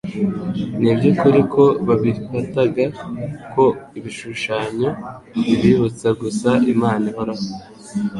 Ni iby’ukuri ko babifataga ko ibishushanyo bibibutsa gusa Imana ihoraho,